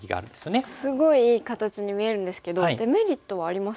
すごいいい形に見えるんですけどデメリットはありますか？